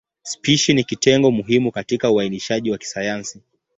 Spishi ni kitengo muhimu katika uainishaji wa kisayansi.